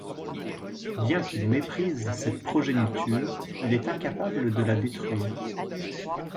Bien qu'il méprise cette progéniture, il est incapable de la détruire.